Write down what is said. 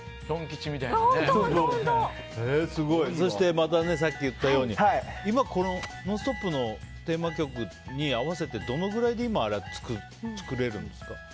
また、さっき言ったように今、「ノンストップ！」のテーマ曲に合わせてどのくらいで作れるんですか？